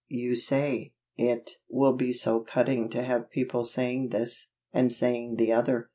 You say, "It will be so cutting to have people saying this, and saying the other."